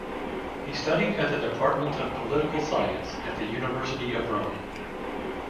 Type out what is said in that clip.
He studied at the department of political science at the University of Rome.